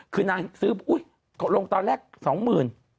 คือนางซื้ออุ๊ยลงตอนแรกสองหมื่น